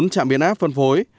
bốn trạm biến áp phân phối